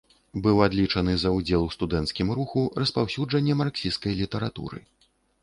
Быў адлічаны за ўдзел у студэнцкім руху, распаўсюджанне марксісцкай літаратуры.